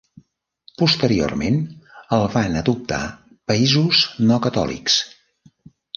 Posteriorment, el van adoptar països no catòlics.